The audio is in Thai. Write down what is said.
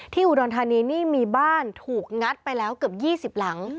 อุดรธานีนี่มีบ้านถูกงัดไปแล้วเกือบ๒๐หลัง